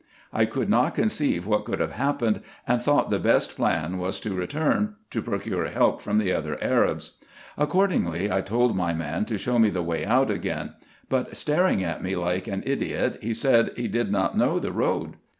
I could not conceive what could have happened, and thought the best plan was to return, to procure help from the other Arabs. Accordingly, I told my man to show me the way out again ; but, staring at me like an ideot, he said he did not know the road.